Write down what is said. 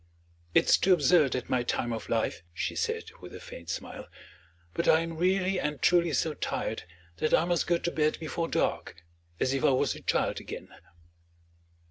"It's too absurd, at my time of life," she said with a faint smile; "but I am really and truly so tired that I must go to bed before dark, as if I was a child again."